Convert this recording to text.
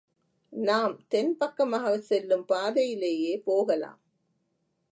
நாம் தென் பக்கமாகச் செல்லும் பாதையிலேயே போகலாம்.